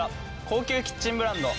高級キッチンブランド。